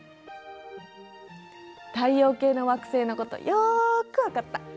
太陽系の惑星のことよくわかった。